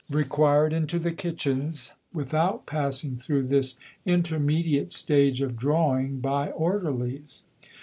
required into the kitchens, without passing through this intermediate stage of drawing by Orderlies?